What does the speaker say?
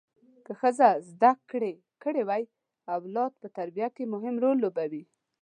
که ښځه زده کړې کړي وي اولادو په تربیه کې مهم رول لوبوي